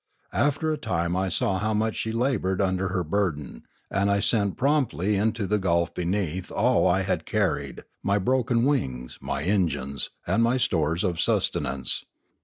After a time I saw how much she laboured under her burden, and I sent promptly into the gulf beneath all that I had carried, my broken wings, my engines, and my stores of sustenance.